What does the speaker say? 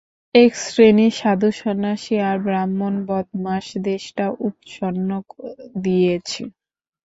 এক শ্রেণীর সাধু সন্ন্যাসী আর ব্রাহ্মণ বদমাশ দেশটা উৎসন্ন দিয়েছে।